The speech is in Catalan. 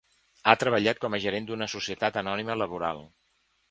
Ha treballat com a gerent d'una societat anònima laboral.